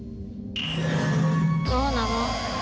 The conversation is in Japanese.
どうなの？